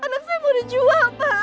anak saya mau dijual pak